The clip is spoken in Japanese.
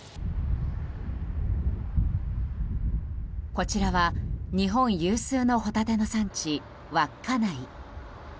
こちらは日本有数のホタテの産地稚内。